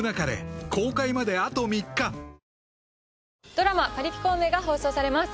ドラマ『パリピ孔明』が放送されます。